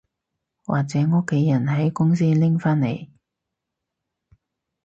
或者屋企人喺公司拎返嚟